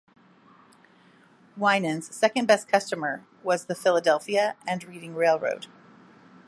Winans' second best customer was the Philadelphia and Reading Railroad.